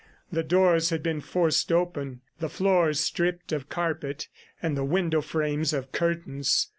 The doors had been forced open, the floors stripped of carpet and the window frames of curtains.